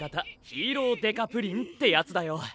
ヒーロー刑事プリンってやつだよ。